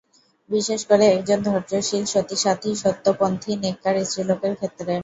বিশেষ করে একজন ধৈর্যশীল সতী-সাধ্বী, সত্যপন্থী নেককার স্ত্রী লোকের ক্ষেত্রে।